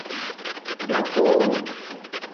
ڈکُو